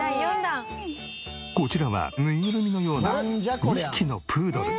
こちらはぬいぐるみのような２匹のプードル。